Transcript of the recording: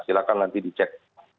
silahkan nanti dicek